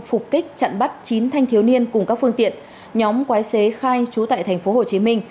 phục kích chặn bắt chín thanh thiếu niên cùng các phương tiện nhóm quái xế khai trú tại thành phố hồ chí minh